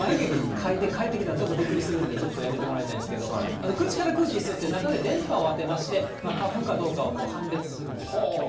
眉毛描いて返ってきたら、ちょっとびっくりするんで、ちょっとやめてもらいたいんですけど、口から吸って、中で電波を当てまして、花粉かどうかを判別するんですよ。